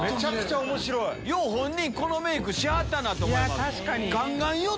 よう本人このメークしはったなと思います。